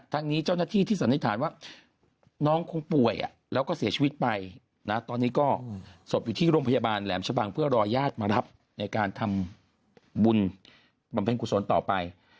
นี้เจ้าหน้าที่ที่สันนิษฐานว่าน้องคงป่วยแล้วก็เสียชีวิตไปนะตอนนี้ก็ศพอยู่ที่โรงพยาบาลแหลมชะบังเพื่อรอญาติมารับในการทำบุญบำเพ็ญกุศลต่อไป